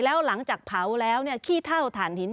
แล้วหลังจากเผาแล้วขี้เท่าฐานหิน